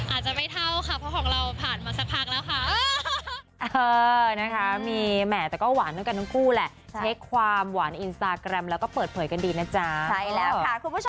อาจจะไม่เท่าค่ะเพราะของเราผ่านมาสักพักแล้วค่ะ